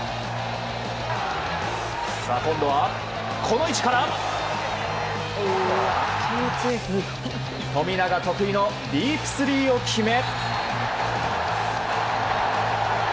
今度は、この位置から富永得意のディープスリーを決め。